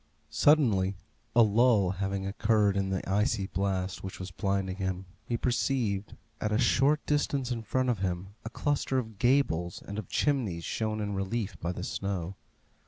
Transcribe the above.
Suddenly, a lull having occurred in the icy blast which was blinding him, he perceived, at a short distance in front of him, a cluster of gables and of chimneys shown in relief by the snow.